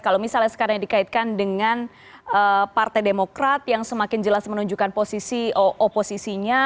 kalau misalnya sekarang dikaitkan dengan partai demokrat yang semakin jelas menunjukkan posisi oposisinya